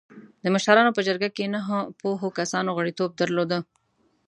د مشرانو په جرګه کې نهه پوهو کسانو غړیتوب درلوده.